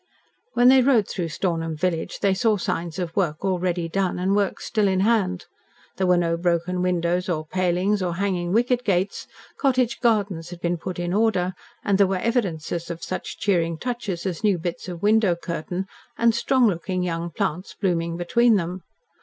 When they rode through Stornham village they saw signs of work already done and work still in hand. There were no broken windows or palings or hanging wicket gates; cottage gardens had been put in order, and there were evidences of such cheering touches as new bits of window curtain and strong looking young plants blooming between them.